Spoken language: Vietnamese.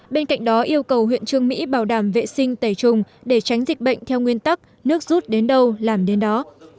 bên cạnh đó yêu cầu huyện trương mỹ bảo đảm vệ sinh tẩy trùng để tránh dịch bệnh theo nguyên tắc nước rút đến đâu làm đến đó